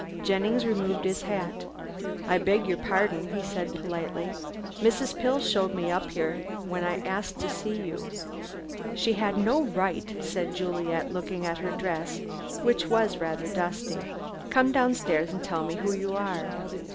Jennings removed his hat. "I beg your pardon," he said politely. "Mrs. Pill showed me up here when I asked to see you." "She had no right," said Juliet, looking at her dress, which was rather dusty, "come downstairs and tell me who you are."